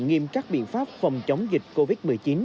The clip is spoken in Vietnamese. nghiêm các biện pháp phòng chống dịch covid một mươi chín